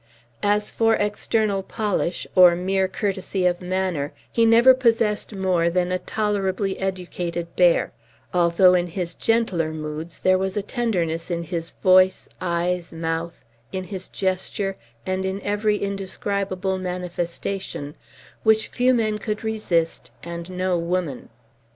As for external polish, or mere courtesy of manner, he never possessed more than a tolerably educated bear; although, in his gentler moods, there was a tenderness in his voice, eyes, mouth, in his gesture, and in every indescribable manifestation, which few men could resist and no woman.